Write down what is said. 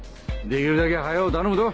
できるだけ早頼むど。